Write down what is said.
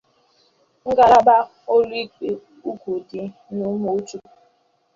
ngalaba ụlọikpe ukwu dị n'Ụmụchukwu